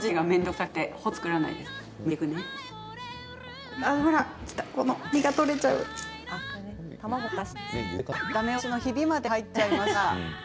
だめ押しのひびまで入っちゃいました。